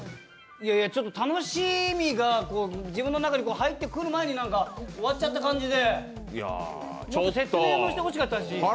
ちょっと楽しみが自分の中に入ってくる前に終わっちゃった感じでもっと説明もしてほしかったし。